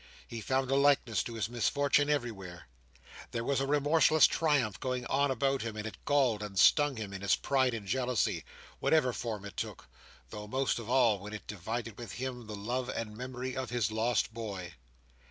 He found a likeness to his misfortune everywhere. There was a remorseless triumph going on about him, and it galled and stung him in his pride and jealousy, whatever form it took: though most of all when it divided with him the love and memory of his lost boy.